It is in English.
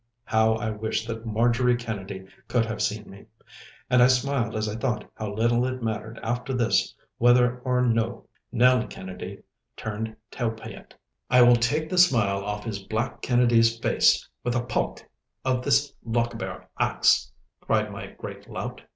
How I wished that Marjorie Kennedy could have seen me. And I smiled as I thought how little it mattered after this, whether or no Nell Kennedy turned tale pyet. 'I will take the smile off his black Kennedy's face with a paik of this Lochaber axe!' cried my great lout.